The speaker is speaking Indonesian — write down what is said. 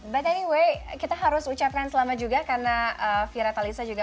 tapi anyway kita harus ucapkan selama juga karena vira talisa juga